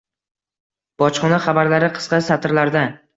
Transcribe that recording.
Bojxona xabarlari qisqa satrlarda: